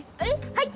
はい。